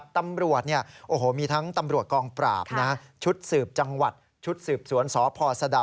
ตำรวจมีทั้งตำรวจกองปราบชุดสืบจังหวัดชุดสืบสวนสพสะดาว